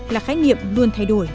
là khái niệm luôn thay đổi